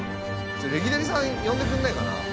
レキデリさん呼んでくれないかな？